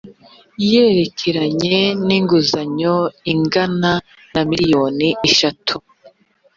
yerekeranye n inguzanyo ingana na miliyoni eshatu